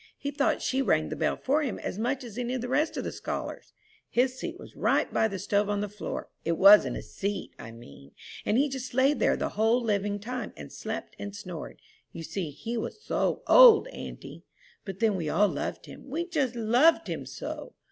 He thought she rang the bell for him as much as any of the rest of the scholars. His seat was right by the stove on the floor it wasn't a seat, I mean; and he just lay there the whole living time, and slept and snored you see he was so old, auntie! But then we all loved him, we just loved him so!